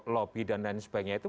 lobby dan lain sebagainya itu